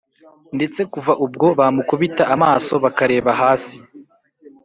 ndetse kuva ubwo bamukubita amaso bakareba hasi.